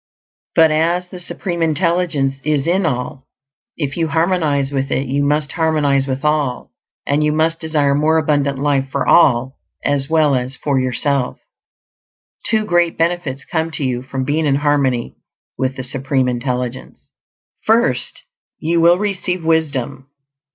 But as the Supreme Intelligence is in all, _if you harmonize with it you must harmonize with all; and you must desire more abundant life for all as well as for yourself_. Two great benefits come to you from being in harmony with the Supreme Intelligence. First, you will receive wisdom.